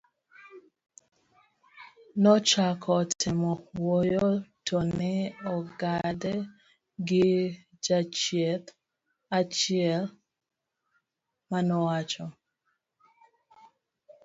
nochako temo wuoyo to ne ong'ade gi jachieth achiel manowacho